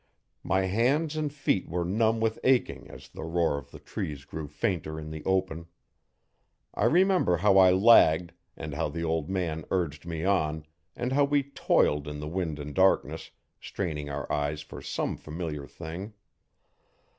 My hands and feet were numb with aching, as the roar of the trees grew fainter in the open. I remember how I lagged, and how the old man urged me on, and how we toiled in the wind and darkness, straining our eyes for some familiar thing.